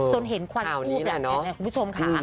จนเห็นควันทูบแบบนี้นะคุณผู้ชมค่ะ